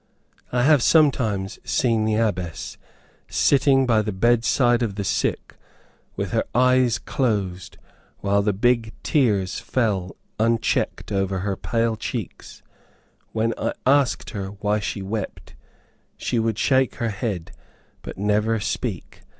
I have sometimes seen the Abbess sitting by the bedside of the sick, with her eyes closed, while the big tears fell unchecked over her pale cheeks. When I asked her why she wept, she would shake her head, but never speak.